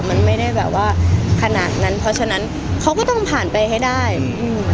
มันไม่ได้แบบว่าขนาดนั้นเพราะฉะนั้นเขาก็ต้องผ่านไปให้ได้อืม